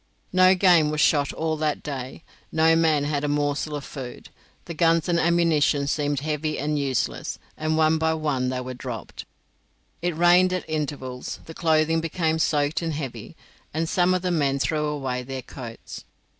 No game was shot all that day; no man had a morsel of food; the guns and ammunition seemed heavy and useless, and one by one they were dropped. It rained at intervals, the clothing became soaked and heavy, and some of the men threw away their coats.